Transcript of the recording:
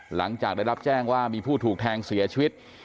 หลังจากได้รับแจ้งว่ามีผู้ถูกแทงเสียชีวิต